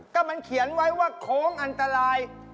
ก็มันเขียนไว้ว่าโค้งอันตราย